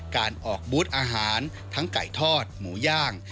การออกบูธอาหารทั้งไก่ทอดหมูย่าง